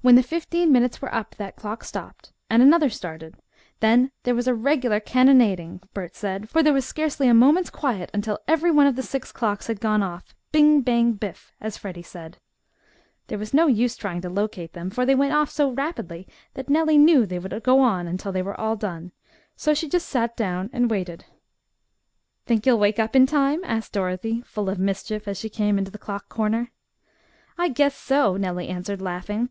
When the fifteen minutes were up that clock stopped, and another started. Then there was a regularly cannonading, Bert said, for there was scarcely a moment's quiet until every one of the six clocks had gone off "bing, bang, biff," as Freddie said. There was no use trying to locate them, for they went off so rapidly that Nellie knew they would go until they were "all done," so she just sat down and waited. "Think you'll wake up in time?" asked Dorothy, full of mischief as she came into the clock corner. "I guess so," Nellie answered, laughing.